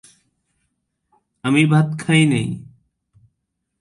তারা তাদের মুদ্রায় একসঙ্গে দেখা যায় এবং স্পষ্টতই সহ-শাসক ছিল।